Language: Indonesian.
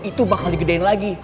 itu bakal digedein lagi